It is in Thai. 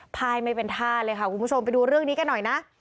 พายไม่เป็นท่าเลยค่ะคุณผู้ชมไปดูเรื่องนี้กันหน่อยนะ